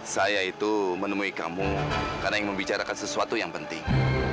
saya itu menemui kamu karena ingin membicarakan sesuatu yang penting